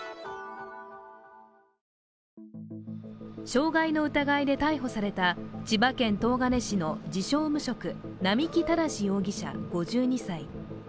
傷害の疑いで逮捕された千葉県東金市の自称・無職、並木正容疑者５２歳。